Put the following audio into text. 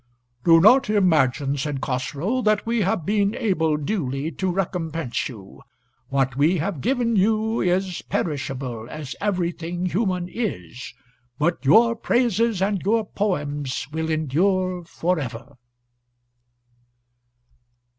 "Do not imagine," said Chosroe, "that we have been able duly to recompense you. What we have given you is perishable, as everything human is, but your praises and your poems will endure forever."